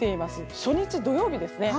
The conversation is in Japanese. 初日、土曜日ですね。